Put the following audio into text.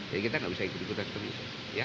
jadi kita gak bisa ikut ikutkan seperti itu